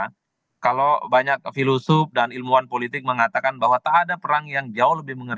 karena kalau banyak filosof dan ilmuwan politik mengatakan bahwa tak ada perang yang jauh lebih mengatakan